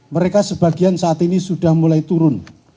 mereka sebagian saat ini sudah mulai turun